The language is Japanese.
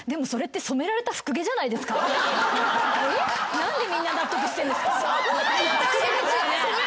何でみんな納得してんですか。